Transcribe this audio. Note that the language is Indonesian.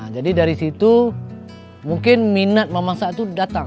jadi dari situ mungkin minat memasak itu datang